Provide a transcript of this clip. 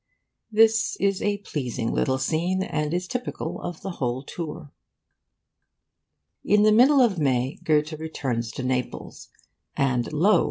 This is a pleasing little scene, and is typical of the whole tour. In the middle of May, Goethe returned Naples. And lo!